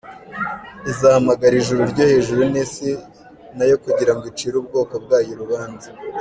Izahamagara ijuru ryo hejuru, N’isi na yo kugira ngo icire ubwoko bwayo urubanza.